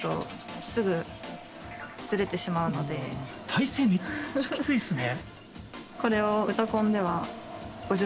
体勢めっちゃきついですね。